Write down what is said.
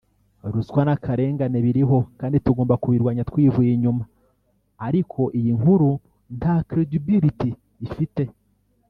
Ruswa n'akarengane biriho kandi tugomba kubirwanya twivuye inyuma ariko iyi nkuru nta credibillity ifite